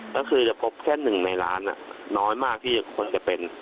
ก็คือจะพบแค่๑ในล้านน้อยมากที่คนจะเป็น